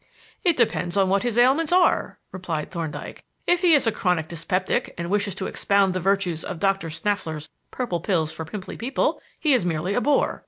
"It depends on what his ailments are," replied Thorndyke. "If he is a chronic dyspeptic and wishes to expound the virtues of Doctor Snaffler's Purple Pills for Pimply People, he is merely a bore.